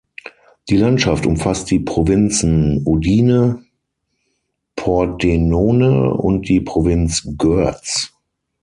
Die Landschaft umfasst die Provinzen Udine, Pordenone und die Provinz Görz.